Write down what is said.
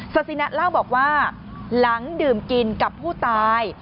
ศินะเล่าบอกว่าหลังดื่มกินกับผู้ตาย